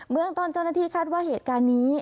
เมืองต้นเจ้าหน้าที่คาดว่าเหตุการณ์นี้